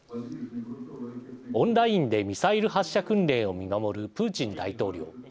オンラインでミサイル発射訓練を見守るプーチン大統領。